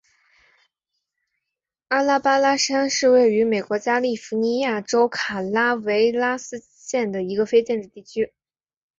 阿拉巴马山是位于美国加利福尼亚州卡拉韦拉斯县的一个非建制地区。